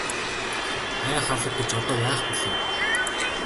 Ай халаг гэж одоо яах билээ.